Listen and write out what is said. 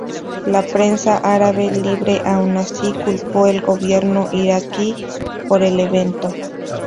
La prensa árabe libre, aun así, culpó el gobierno iraquí por el evento.